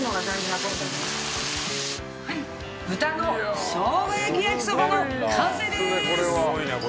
豚のしょうが焼き焼きそばの完成です！